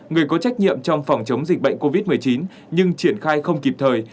một mươi sáu người có trách nhiệm trong phòng chống dịch bệnh covid một mươi chín nhưng triển khai không kịp thời